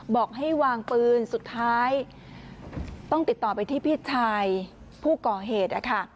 บอกให้วางปืนสุดท้ายต้องติดต่อไปที่พี่ชายผู้ก่อเหตุนะคะ